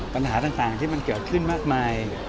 ปัญหาต่างที่มันเกิดขึ้นมากมาย